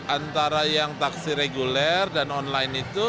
antara yang taksi reguler dan online itu